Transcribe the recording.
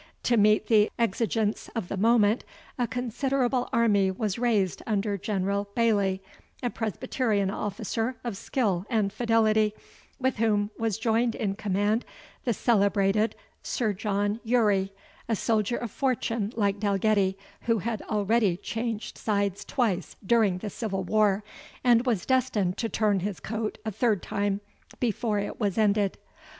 To meet the exigence of the moment, a considerable army was raised under General Baillie, a Presbyterian officer of skill and fidelity, with whom was joined in command the celebrated Sir John Urrie, a soldier of fortune like Dalgetty, who had already changed sides twice during the Civil War, and was destined to turn his coat a third time before it was ended.